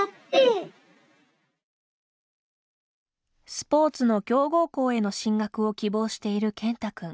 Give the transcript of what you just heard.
スポーツの強豪校への進学を希望しているケンタくん。